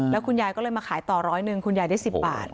แล้วคุณยายก็เลยมาขายต่อร้อยหนึ่งคุณยายได้๑๐บาท